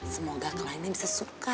semoga kliennya bisa suka